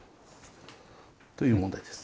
という問題です。